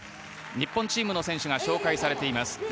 日本チームの選手が紹介されています。